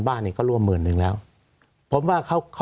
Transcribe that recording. สวัสดีครับทุกคน